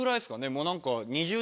もう何か。